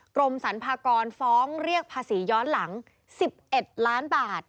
กรมสรรพากรฟ้องเรียกภาษีย้อนหลัง๑๑ล้านบาท